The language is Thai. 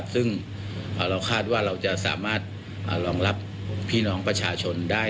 ซึ่งเราคาดว่าเราจะสามารถรองรับพี่น้องประชาชนได้